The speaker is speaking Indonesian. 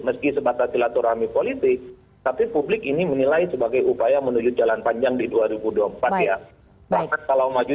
meski sebatas silaturahmi politik tapi publik ini menilai sebagai upaya menuju jalan panjang di dua ribu dua puluh empat ya bahkan kalau maju